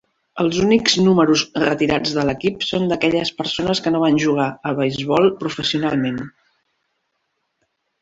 Els únics números retirats de l'equip són d'aquelles persones que no van jugar a beisbol professionalment.